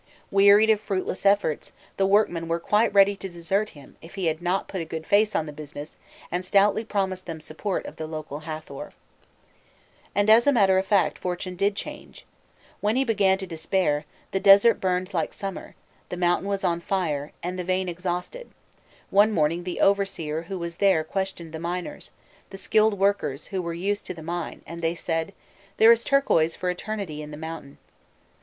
Wearied of fruitless efforts, the workmen were quite ready to desert him if he had not put a good face on the business and stoutly promised them the support of the local Hâthor. [Illustration: 334.jpg PLAN OF THE TEMPLE OF SARBUT EL KHADIM] And, as a matter of fact, fortune did change. When he began to despair, "the desert burned like summer, the mountain was on fire, and the vein exhausted; one morning the overseer who was there questioned the miners, the skilled workers who were used to the mine, and they said: 'There is turquoise for eternity in the mountain.